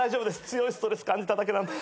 強いストレス感じただけなんで。